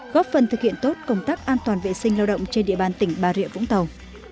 góp phần thực hiện tốt công tác an toàn vệ sinh lao động trên địa bàn tỉnh bà rịa vũng tàu